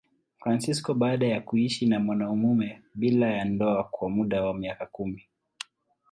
Fransisko baada ya kuishi na mwanamume bila ya ndoa kwa muda wa miaka kumi.